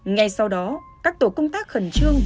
ngay sau đó các tổ công tác khẩn trương